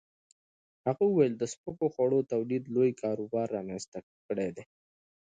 هغه وویل د سپکو خوړو تولید لوی کاروبار رامنځته کړی دی.